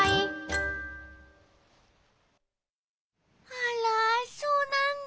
あらそうなんだ。